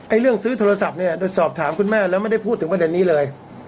เรื่องซื้อโทรศัพท์เนี่ยโดยสอบถามคุณแม่แล้วไม่ได้พูดถึงประเด็นนี้เลย